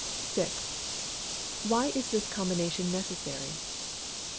_Why is this combination necessary?